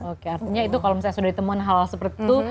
oke artinya itu kalau misalnya sudah ditemukan hal hal seperti itu